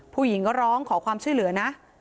ผู้หญิงก็ร้องขอความช่วยเหลือนะ